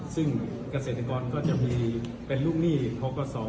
ซึ่งเกษตรกรก็จะมีเป็นลูกหนี้ทกศ